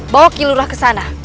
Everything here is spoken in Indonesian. bawa kilurah kesana